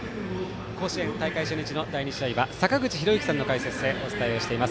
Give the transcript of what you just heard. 甲子園大会初日の第２試合は坂口裕之さんの解説でお伝えしています。